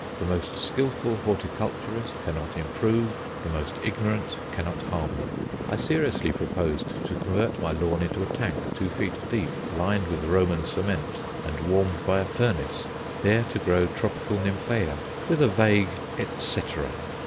The most skilful horticulturist cannot improve, the most ignorant cannot harm them. I seriously proposed to convert my lawn into a tank two feet deep lined with Roman cement and warmed by a furnace, there to grow tropical nymphæa, with a vague "et cetera."